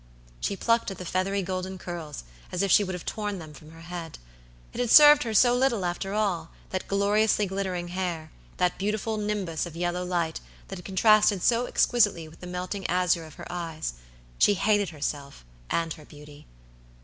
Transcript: She plucked at the feathery golden curls as if she would have torn them from her head. It had served her so little after all, that gloriously glittering hair, that beautiful nimbus of yellow light that had contrasted so exquisitely with the melting azure of her eyes. She hated herself and her beauty.